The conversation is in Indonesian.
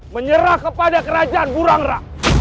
menyerah kepada kerajaan burangra